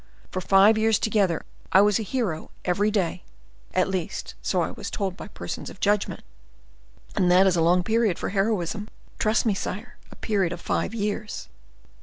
For five years together, I was a hero every day; at least, so I was told by persons of judgment; and that is a long period for heroism, trust me, sire, a period of five years.